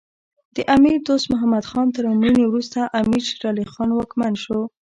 د امیر دوست محمد خان تر مړینې وروسته امیر شیر علی خان واکمن شو.